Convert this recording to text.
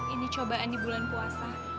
ini cobaan di bulan puasa